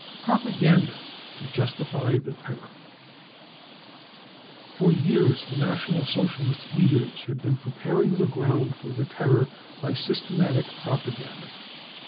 Propaganda to Justify the Terror. For years the National Socialist leaders had been preparing tl^e ground for the terror by systematic propaganda.